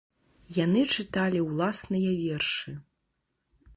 Яны чыталі ўласныя вершы.